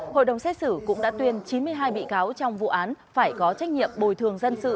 hội đồng xét xử cũng đã tuyên chín mươi hai bị cáo trong vụ án phải có trách nhiệm bồi thường dân sự